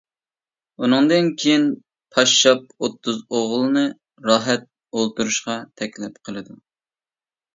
ئۇنىڭدىن كېيىن پاششاپ ئوتتۇز ئوغۇلنى «راھەت» ئولتۇرۇشقا تەكلىپ قىلىدۇ.